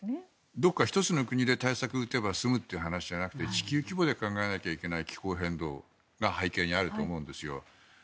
どこか１つの国で対策を打てば済むという話ではなくて地球規模で考えなきゃいけない気候変動が背景にあると思うんですよ。